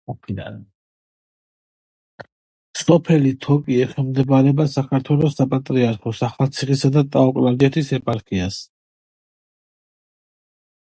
სოფელი თოკი ექვემდებარება საქართველოს საპატრიარქოს ახალციხისა და ტაო-კლარჯეთის ეპარქიას.